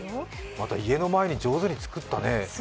また家の前に上手に作ったね。